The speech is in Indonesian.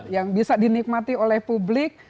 yang bisa dinikmati oleh publik